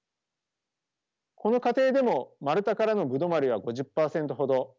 この過程でも丸太からの歩留まりは５０％ほど。